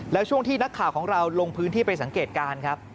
แล้วช่วงที่นักข่าวของเราลงพื้นที่ไปสังเกตการณ์ครับ